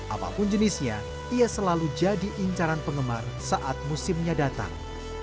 apapun jenisnya ia selalu jadi incaran penggemar saat musimnya datang